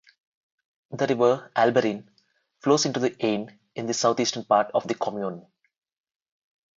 The river Albarine flows into the Ain in the southeastern part of the commune.